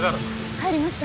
入りました！